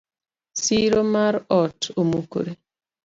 Siro mar ot omukore.